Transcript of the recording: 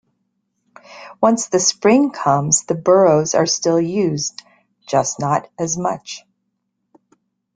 Once the spring comes the burrows are still used, just not as much.